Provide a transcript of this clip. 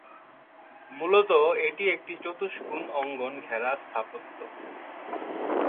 মূলত এটি একটি চতুষ্কোণ অঙ্গন ঘেরা স্থাপত্য।